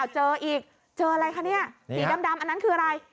เจออีกเจออะไรคะเนี่ยสีดำอันนั้นคืออะไร